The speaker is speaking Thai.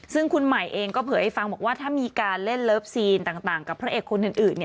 ซึ่งคุณใหม่เองก็เผยให้ฟังบอกว่าถ้ามีการเล่นเลิฟซีนต่างกับพระเอกคนอื่น